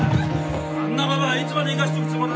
あんなババアいつまで生かしておくつもりだ！